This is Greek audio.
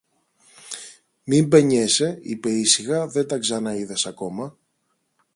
Μην παινιέσαι, είπε ήσυχα, δεν τα ξαναείδες ακόμα.